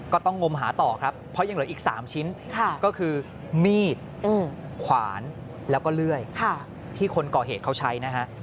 ต้องงมหาต่อครับเพราะยังเหลืออีก๓ชิ้นก็คือมีดขวานแล้วก็เลื่อยที่คนก่อเหตุเขาใช้นะฮะ